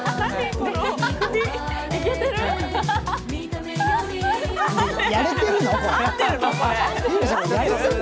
これ。